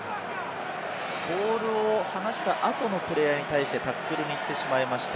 ボールを離した後のプレーヤーに対してタックルに行ってしまいました。